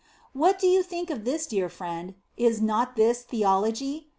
What do you think of this, dear friend is not this theology?